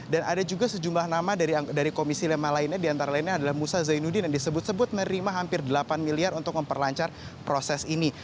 dan ada juga sejumlah nama dari komisi lima lainnya di antara lainnya adalah musa zainuddin yang disebut sebut menerima hampir delapan miliar untuk memperlancar proses ini